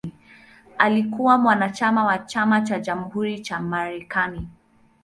Alikuwa mwanachama wa Chama cha Jamhuri cha Marekani.